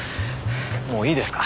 もういいですか？